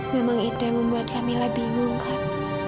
memang itu yang membuat kak mila bingung kak